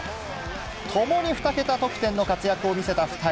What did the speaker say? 共に２桁得点の活躍を見せた２人。